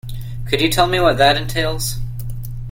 Could you tell me what that entails?